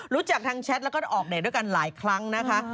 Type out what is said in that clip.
รู้จักทางแชทแล้วก็ออกเดทด้วยกันหลายครั้งนะคะ